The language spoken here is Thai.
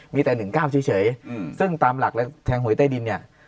มีแต่๑๙เฉยซึ่งตามหลักและแทงหวยใต้ดินเนี่ย